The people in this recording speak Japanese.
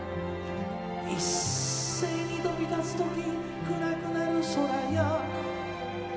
「一斉に翔び発つ時暗くなる空や」